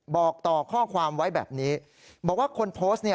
บอกต่อข้อความไว้แบบนี้บอกว่าคนโพสต์เนี่ย